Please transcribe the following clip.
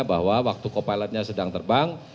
bahwa waktu co pilotnya sedang terbang